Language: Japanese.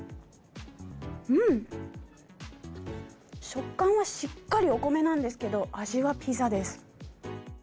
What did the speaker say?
食感はしっかりお米なんですけど味はピザです。